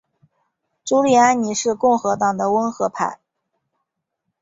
朱利安尼是共和党的温和派。